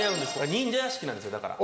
忍者屋敷なんですよだから。